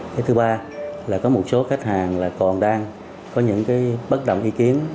cái thứ ba là có một số khách hàng là còn đang có những cái bất động ý kiến